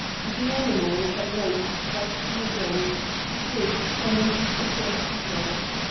The animal was at length tracked to her den, a cave extending deep into a rocky hill.